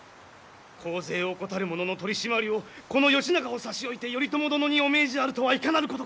貢税を怠る者の取締りをこの義仲を差し置いて頼朝殿にお命じあるとはいかなることか。